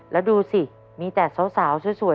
แล้วดูสิมีแต่สาวสวย